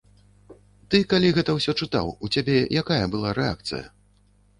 Ты калі гэта ўсё чытаў, у цябе якая была рэакцыя?